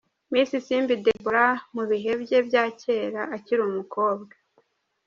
Miss Isimbi Deborah mu bihe bye bya kera akiri umukobwa.